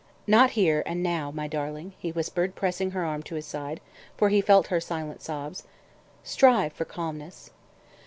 "Not here, and now, my darling," he whispered, pressing her arm to his side, for he felt her silent sobs. "Strive for calmness."